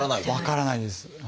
分からないです。